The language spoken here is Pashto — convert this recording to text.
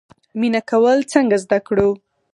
مینه کول څنګه زده کړو؟